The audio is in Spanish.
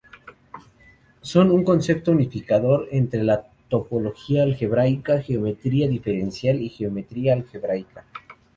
Son un concepto unificador entre la topología algebraica, geometría diferencial y geometría algebraica.